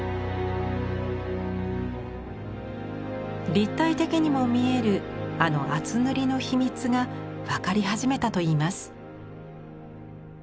立体的にも見えるあの厚塗りの秘密が分かりはじめたと言います。